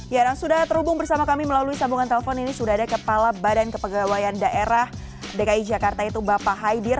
ya dan sudah terhubung bersama kami melalui sambungan telepon ini sudah ada kepala badan kepegawaian daerah dki jakarta itu bapak haidir